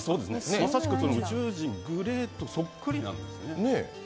まさしく宇宙人グレイとそっくりなんですね。